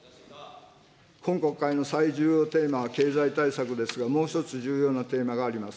今国会の最重要テーマは経済対策ですが、もう１つ重要なテーマがあります。